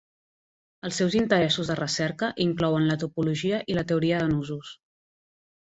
Els seus interessos de recerca inclouen la topologia i la teoria de nusos.